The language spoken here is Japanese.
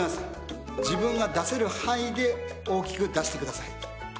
自分が出せる範囲で大きく出してください。